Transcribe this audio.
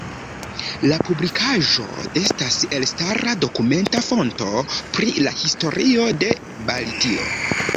La publikaĵo estas elstara dokumenta fonto pri la historio de Baltio.